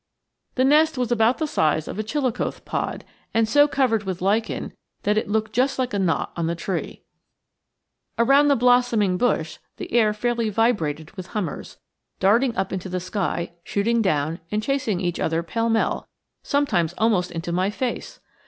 The nest was about the size of a chilicothe pod, and so covered with lichen that it looked just like a knot on the tree. Around the blossoming bush the air fairly vibrated with hummers, darting up into the sky, shooting down and chasing each other pell mell sometimes almost into my face.